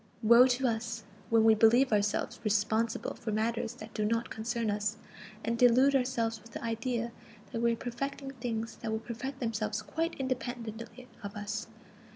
Woe to us, when we believe ourselves responsible for matters that do not concern us, and delude ourselves with the idea that we are perfecting things that will perfect themselves quite independently of us!